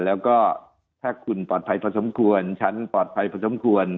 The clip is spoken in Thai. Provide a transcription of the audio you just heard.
แล้วก็ถ้าคุณปลอดภัยพอสมควรฉันปลอดภัยพอสมควร